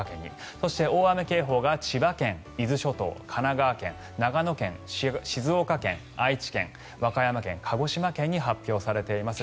そして大雨警報が千葉県、伊豆諸島神奈川県、長野県、静岡県愛知県和歌山県、鹿児島県に発表されています。